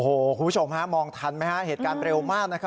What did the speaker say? คุณผู้ชมฮะมองทันไหมฮะเหตุการณ์เร็วมากนะครับ